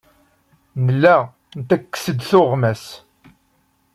Nella nettekkes-d tuɣmas.